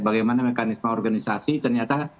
bagaimana mekanisme organisasi ternyata